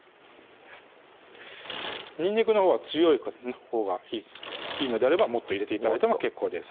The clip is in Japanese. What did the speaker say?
にんにくのほうは強いほうがいいのであればもっと入れて頂いても結構です